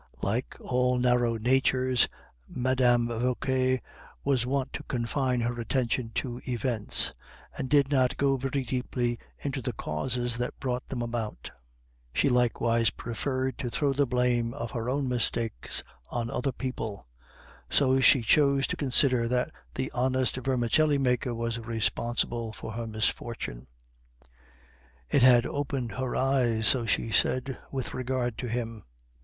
Like all narrow natures, Mme. Vauquer was wont to confine her attention to events, and did not go very deeply into the causes that brought them about; she likewise preferred to throw the blame of her own mistakes on other people, so she chose to consider that the honest vermicelli maker was responsible for her misfortune. It had opened her eyes, so she said, with regard to him.